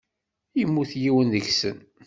Yemmut yiwen deg-sen.